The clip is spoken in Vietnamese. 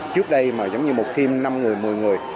trước đây mà giống như một thêm năm người một mươi người